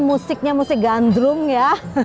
musiknya musik gandrum ya